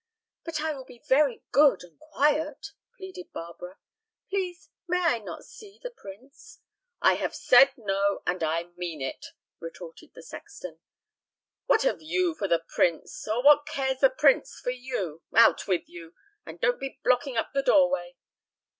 "But I will be very good and quiet," pleaded Barbara. "Please, may I not see the prince?" "I have said no, and I mean it," retorted the sexton. "What have you for the prince, or what cares the prince for you? Out with you, and don't be blocking up the doorway!"